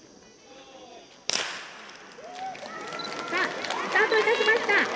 「さあスタートいたしました」。